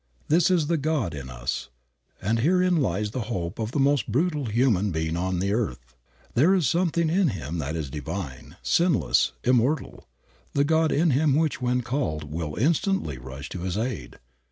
This is the God in us, and herein lies the hope of the most brutal human being on the earth. There is something in him that is divine, sinless, immortal, the God in him which when called will instantly rush to his aid.